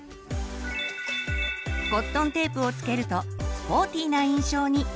コットンテープを付けるとスポーティーな印象に。